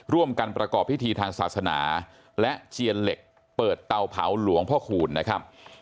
ร่วมกันประกอบพิธีทางศาสนาและเจียนเหล็กเปิดเตาเผาหลวงพ่อคูณนะครับ